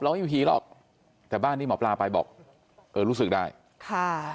ไม่มีผีหรอกแต่บ้านนี้หมอปลาไปบอกเออรู้สึกได้ค่ะ